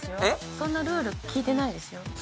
そんなルールないですよ？